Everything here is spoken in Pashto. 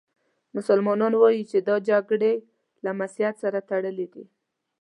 مسلمانان وايي چې دا جګړې له مسیحیت سره تړلې دي.